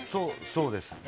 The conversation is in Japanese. そうです。